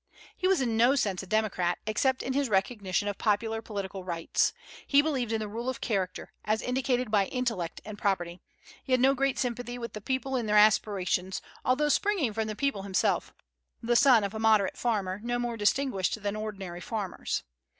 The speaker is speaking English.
He was in no sense a democrat except in his recognition of popular political rights. He believed in the rule of character, as indicated by intellect and property. He had no great sympathy with the people in their aspirations, although springing from the people himself, the son of a moderate farmer, no more distinguished than ordinary farmers.